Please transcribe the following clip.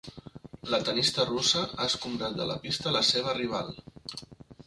La tennista russa ha escombrat de la pista la seva rival.